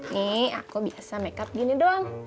nih aku biasa makeup gini doang